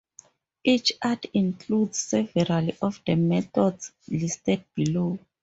Each art includes several of the methods listed below.